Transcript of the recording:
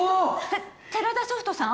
て寺田ソフトさん？